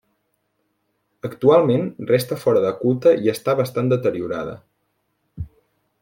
Actualment resta fora de culte i està bastant deteriorada.